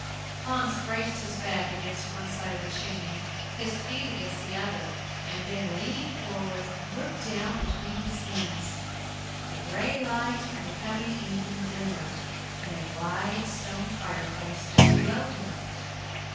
Hans braced his back against one side of the chimney, his feet against the other and then, leaning forward, looked down between his knees. The gray light of the coming evening glimmered in a wide stone fireplace just below him.